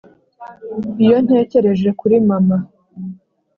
iyo ntekereje kuri mama,